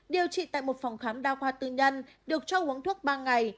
điều trị tại một phòng khám đa khoa tư nhân được cho uống thuốc ba ngày